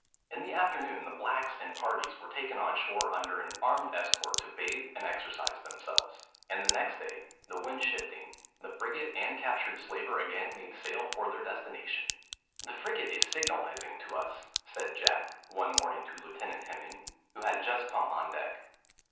In the afternoon the blacks in parties were taken on shore under an armed escort to bathe and exercise themselves; and the next day, the wind shifting, the frigate and captured slaver again made sail for their destination. "The frigate is signalising to us," said Jack one morning to Lieutenant Hemming, who had just come on deck.